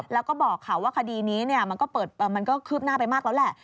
แล้วก็บอกค่ะว่าคดีนี้มันก็คืบหน้าไปมากแล้วแหละ